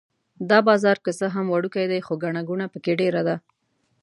دا بازار که څه هم وړوکی دی خو ګڼه ګوڼه په کې ډېره ده.